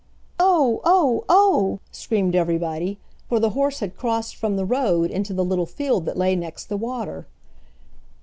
"Oh! oh! oh!" screamed everybody, for the horse had crossed from the road into the little field that lay next the water.